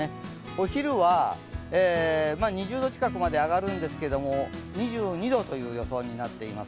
お昼は２０度近くまで上がるんですが、２２度という予想になっています。